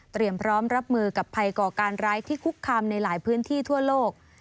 พร้อมรับมือกับภัยก่อการร้ายที่คุกคามในหลายพื้นที่ทั่วโลก